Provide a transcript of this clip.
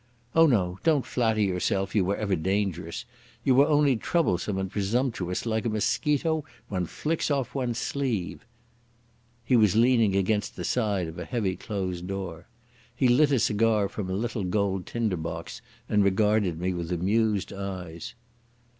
Oh no, don't flatter yourself you were ever dangerous. You were only troublesome and presumptuous like a mosquito one flicks off one's sleeve." He was leaning against the side of a heavy closed door. He lit a cigar from a little gold tinder box and regarded me with amused eyes.